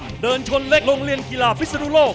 เดินชนเล็กโรงเรียนกีฬาพิศนุโลก